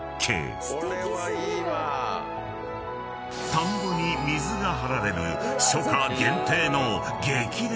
［田んぼに水が張られる］